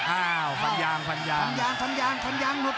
อ้าวฟันยางฟันยางฟันยางหนุดฟันยางหยุด